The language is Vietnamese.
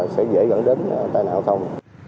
sẽ dễ gần đến tài nạn hóa thông